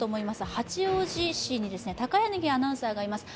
八王子市に高柳アナウンサーがいます。